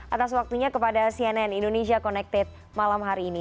atas waktunya kepada cnn indonesia connected malam hari ini